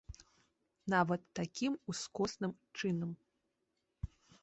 Нават такім ускосным чынам.